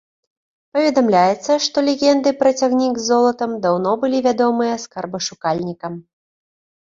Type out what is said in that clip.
Паведамляецца, што легенды пра цягнік з золатам даўно былі вядомыя скарбашукальнікам.